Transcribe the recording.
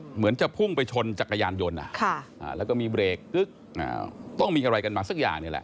เหมือนจะพุ่งไปชนจักรยานยนต์แล้วก็มีเบรกอึ๊กต้องมีอะไรกันมาสักอย่างนี่แหละ